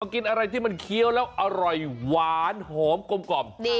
กินอะไรที่มันเคี้ยวแล้วอร่อยหวานหอมกลม